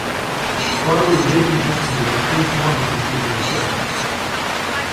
Barberie did participate in at least one of the studio shows.